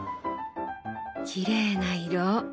きれいな色。